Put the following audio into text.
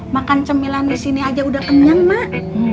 makan cemilan di sini aja udah kenyang mak